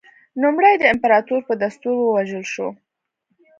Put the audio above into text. نوموړی د امپراتور په دستور ووژل شو